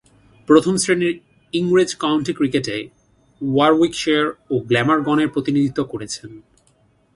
প্রথম-শ্রেণীর ইংরেজ কাউন্টি ক্রিকেটে ওয়ারউইকশায়ার ও গ্ল্যামারগনের প্রতিনিধিত্ব করেছেন।